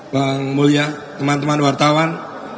bang mulya teman teman wartawan